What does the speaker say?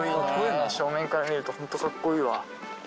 正面から見るとホントカッコイイわ。